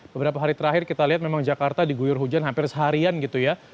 beberapa hari terakhir kita lihat memang jakarta diguyur hujan hampir seharian gitu ya